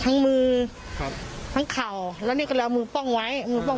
คุณคือทำอะไรให้โต้งไม่พอใจหรือครับ